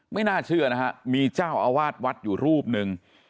ไม่น่าเชื่อนะฮะมีเจ้าอาวาสวัดอยู่รูปหนึ่ง